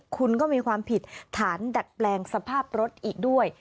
คุณก็มีความผิดฐานดัดแปลงสภาพรถอีกด้วย